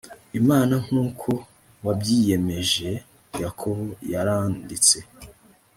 imana nk uko wabyiyemeje yakobo yaranditse